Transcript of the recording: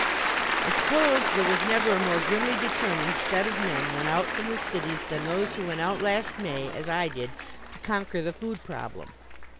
I suppose there was never a more grimly determined set of men went out from the cities than those who went out last May, as I did, to conquer the food problem.